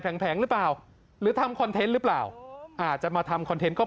แผงหรือเปล่าหรือทำคอนเทนต์หรือเปล่าอาจจะมาทำคอนเทนต์ก็